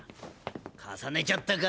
重ねちゃったか？